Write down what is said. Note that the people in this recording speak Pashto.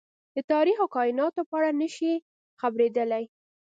د تاريخ او کايناتو په اړه نه شي خبرېدلی.